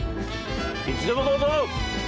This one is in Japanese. いつでもどうぞ！